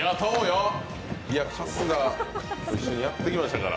春日と一緒にやってきましたから。